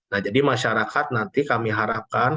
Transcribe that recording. nah jadi masyarakat nanti kami harapkan